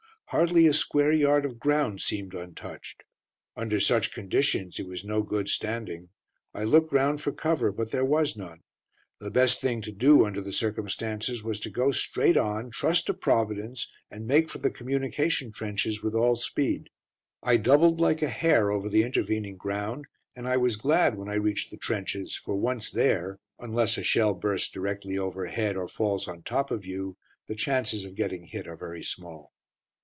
Hardly a square yard of ground seemed untouched. Under such conditions it was no good standing. I looked round for cover, but there was none. The best thing to do under the circumstances was to go straight on, trust to Providence, and make for the communication trenches with all speed. I doubled like a hare over the intervening ground, and I was glad when I reached the trenches, for once there, unless a shell bursts directly overhead, or falls on top of you, the chances of getting hit are very small.